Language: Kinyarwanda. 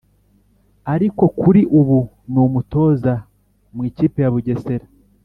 Ariko kuri ubu n’umutoza mu ikipe ya Bugesera